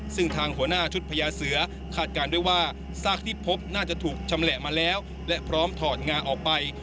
ซึ่งทางหัวหน้าชุดพญาเสือคาดการณ์ด้วยว่าซากที่พบน่าจะถูกชำแหละมาแล้วและพร้อมถอดงาออกไป